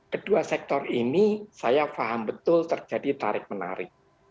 kedua sektor ini saya faham betul terjadi tarik menarik